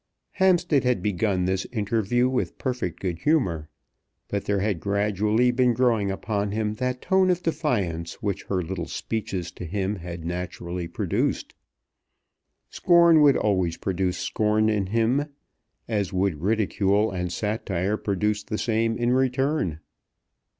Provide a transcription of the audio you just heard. Hampstead had begun this interview with perfect good humour; but there had gradually been growing upon him that tone of defiance which her little speeches to him had naturally produced. Scorn would always produce scorn in him, as would ridicule and satire produce the same in return.